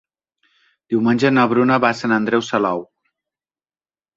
Diumenge na Bruna va a Sant Andreu Salou.